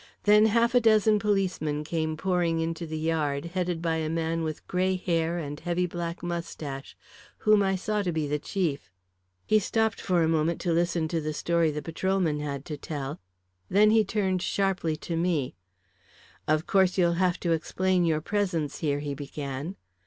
Then half a dozen policemen came pouring into the yard, headed by a man with grey hair and heavy black moustache, whom I saw to be the chief. He stopped for a moment to listen to the story the patrolman had to tell, then he turned sharply to me. "Of course you'll have to explain your presence here," he began.